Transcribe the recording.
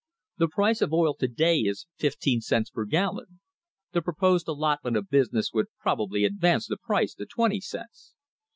The price of oil to day is fifteen cents per gallon. The proposed allotment of business would probably advance the price to twenty cents.